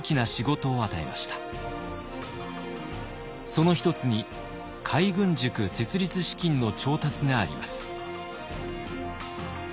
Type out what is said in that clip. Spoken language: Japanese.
その一つに海軍塾設立資金の調達があります。